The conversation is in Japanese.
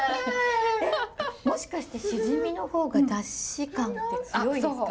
もしかしてしじみの方が出汁感って強いですか？